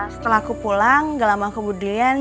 setelah aku pulang gak lama kemudian